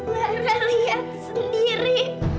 lara lihat sendiri